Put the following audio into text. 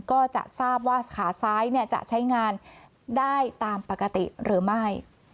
ก็จะทราบว่าขาซ้ายจะใช้งานได้ตามปกติหรือไม่